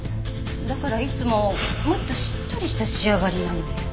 だからいつももっとしっとりした仕上がりなのよ。